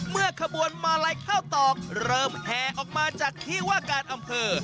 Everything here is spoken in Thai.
ขบวนมาลัยข้าวตอกเริ่มแห่ออกมาจากที่ว่าการอำเภอ